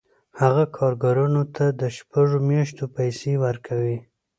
هغه کارګرانو ته د شپږو میاشتو پیسې ورکوي